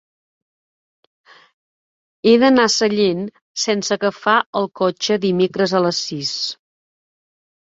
He d'anar a Sallent sense agafar el cotxe dimecres a les sis.